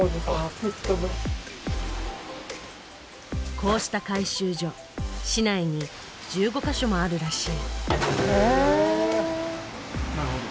こうした回収所市内に１５か所もあるらしい。